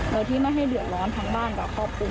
โดยที่ไม่ให้เดือดร้อนทั้งบ้านกับครอบครัว